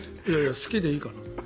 いやいや好きでいいかな。